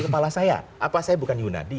kepala saya apa saya bukan yunadi